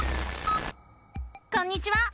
こんにちは！